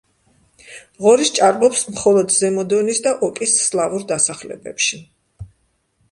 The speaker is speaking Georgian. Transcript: ღორი სჭარბობს მხოლოდ ზემო დონის და ოკის სლავურ დასახლებებში.